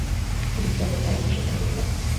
কী দুঃখে ও গোরু তাড়ায় নি সে কি আমি বুঝি নে।